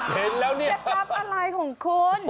เห็นแล้วเนี่ยจะรับอะไรของคุณ